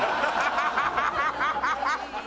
ハハハハ！